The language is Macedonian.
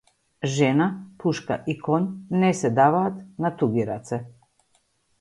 Жена, пушка и коњ не се даваат на туѓи раце.